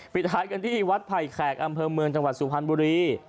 สุดท้ายกันที่วัดไผ่แขกอำเภอเมืองจังหวัดสุพรรณบุรี